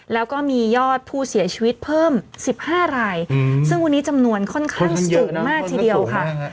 แล้วก็มียอดผู้เสียชีวิตเพิ่ม๑๕รายซึ่งวันนี้จำนวนค่อนข้างสูงมากทีเดียวค่ะ